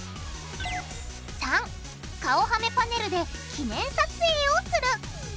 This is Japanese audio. ③顔はめパネルで記念撮影をする。